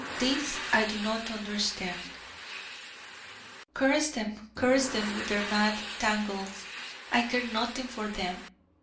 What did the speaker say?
This I do not understand! Curse Them, curse Them, with their mad tangles! I care nothing for Them!